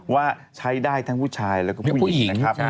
ว่าใช้ได้ทั้งผู้ชายแล้วก็ผู้หญิงนะครับ